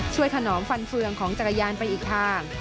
ถนอมฟันเฟืองของจักรยานไปอีกทาง